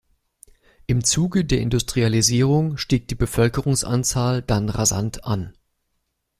Im Zuge der Industrialisierung stieg die Bevölkerungszahl dann rasant an.